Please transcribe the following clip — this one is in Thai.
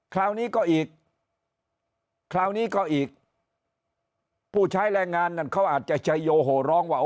คราวนี้ก็อีกคราวนี้ก็อีกผู้ใช้แรงงานนั้นเขาอาจจะชัยโยโหร้องว่า